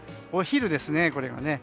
お昼ですね、これが。